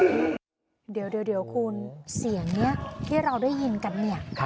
เกิดเหตุการณ์จากกุฏติของเจ้าอาวาสดังแบบนี้ฮะ